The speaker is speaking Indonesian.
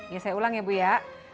ya saya ulang ya bu ya